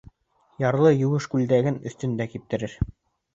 Ярлы еүеш күлдәген өҫтөндә киптерер.